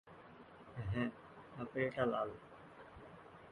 হ্যাঁ, আপেলটা লাল।